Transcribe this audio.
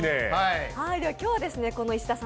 今日は、石田さん